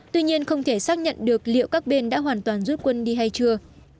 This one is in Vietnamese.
tuy nhiên không thể xác nhận được liệu các bên đã hoàn toàn rút quân đi hay chưa